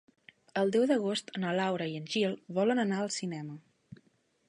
El deu d'agost na Laura i en Gil volen anar al cinema.